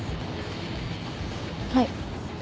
はい。